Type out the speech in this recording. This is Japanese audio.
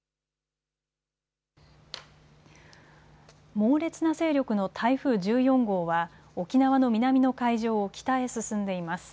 猛烈な勢力の台風１４号は沖縄の南の海上を北へ進んでいます。